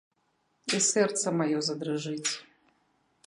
І сэрца маё задрыжыць.